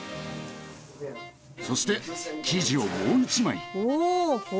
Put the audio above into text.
そして生地をもう一枚。